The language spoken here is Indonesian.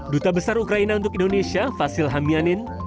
duta besar ukraina untuk indonesia fasil hamianin